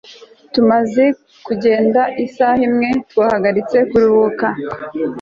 Tumaze kugenda isaha imwe twahagaritse kuruhuka